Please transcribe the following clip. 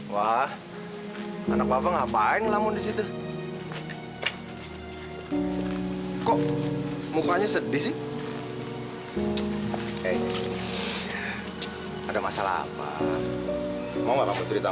sampai jumpa di video selanjutnya